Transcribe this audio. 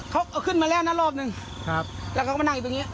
เขาเอาขึ้นมาแล้วนะรอบหนึ่งครับแล้วเขาก็มานั่งอยู่ตรงนี้